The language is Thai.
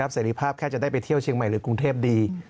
เสร็จภาพแค่จะได้ไปเที่ยวเชียงใหม่หรือกรุงเทพดี